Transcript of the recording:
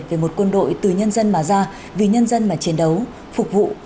về một quân đội từ nhân dân mà ra vì nhân dân mà chiến đấu phục vụ